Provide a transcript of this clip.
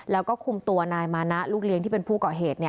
แล้วก็คุมตัวนายมานะลูกเลี้ยงที่เป็นผู้ก่อเหตุ